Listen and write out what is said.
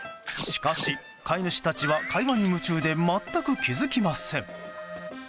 しかし飼い主たちは会話に夢中で全く気づきません。